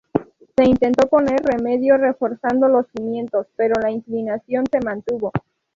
Se intentó poner remedio reforzando los cimientos, pero la inclinación se mantuvo.